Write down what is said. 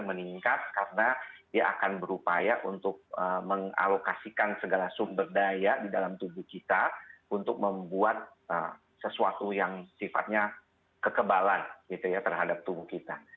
meningkat karena dia akan berupaya untuk mengalokasikan segala sumber daya di dalam tubuh kita untuk membuat sesuatu yang sifatnya kekebalan gitu ya terhadap tubuh kita